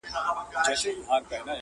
چي د کڼو غوږونه وپاڅوي.!